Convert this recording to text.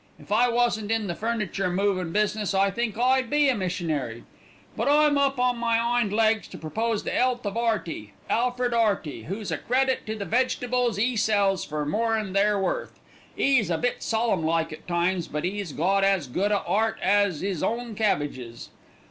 If I wasn't in the furniture movin' business I think I'd be a missionary. "But I'm up on my 'ind legs to propose the 'ealth of 'Earty, Alfred 'Earty, who's a credit to the vegetables 'e sells for more'n they're worth. 'E's a bit solemn like at times, but 'e's got as good a 'eart as 'is own cabbages.